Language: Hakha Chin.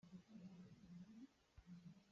Kuak aa sumnak nih chan saunak a pek.